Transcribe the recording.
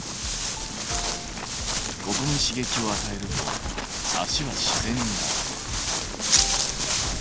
ここに刺激をあたえると足は自然に上がる。